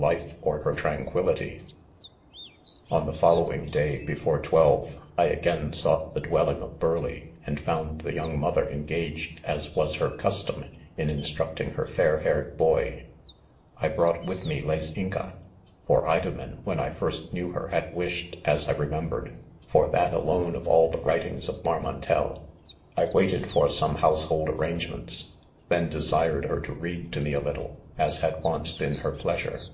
life or tranquillity* On the following day before twe! Ye 5 1 again nought the dwelling of Burleigh, and found the young mother engaged, as was her custom, in instructing hex fair haired boy, I brought with me "Les Incas™ for Idomen, when I first knew her, Md wished, as I remem bered, for that alone of all the writings of Mar. DM>ntei I waited for some lunisehokl arrange ments i then desired her to read to me. a little, $s had once been her pleasure.